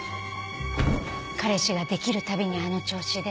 彼氏ができるたびにあの調子で。